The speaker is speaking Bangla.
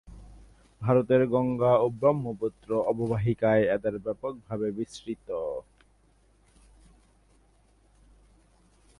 ভারতের গঙ্গা ও ব্রহ্মপুত্র অববাহিকায় এদের ব্যাপক ভাবে বিস্তৃত।